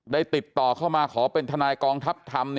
ติดต่อเข้ามาขอเป็นทนายกองทัพธรรม